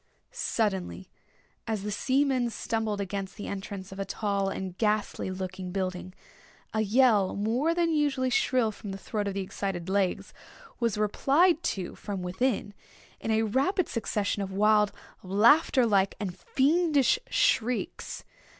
Suddenly, as the seamen stumbled against the entrance of a tall and ghastly looking building, a yell more than usually shrill from the throat of the excited Legs, was replied to from within, in a rapid succession of wild, laughter like, and fiendish shrieks.